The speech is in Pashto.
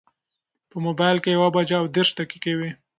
په مبایل کې یوه بجه او دېرش دقیقې وې.